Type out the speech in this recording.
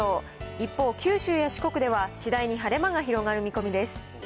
一方、九州や四国では、次第に晴れ間が広がる見込みです。